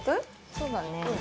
そうだね。